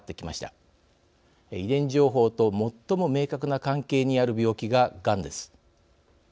遺伝情報と最も明確な関係にある病気ががんです。